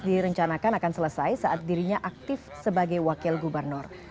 direncanakan akan selesai saat dirinya aktif sebagai wakil gubernur